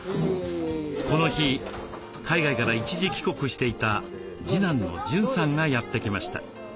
この日海外から一時帰国していた次男の潤さんがやって来ました。